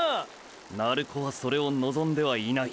鳴子はそれを望んではいない。